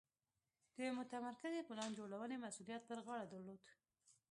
د متمرکزې پلان جوړونې مسوولیت پر غاړه درلود.